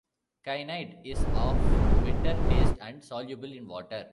Kainite is of bitter taste and soluble in water.